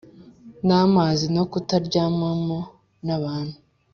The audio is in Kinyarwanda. n amazi no kutaryamwamo n abantu